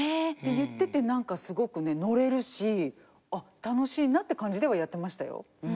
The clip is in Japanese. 言ってて何かすごくねのれるしあっ楽しいなっていう感じではやってましたよ。